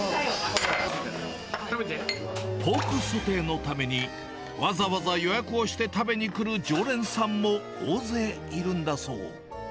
ポークソテーのために、わざわざ予約をして食べに来る常連さんも大勢いるんだそう。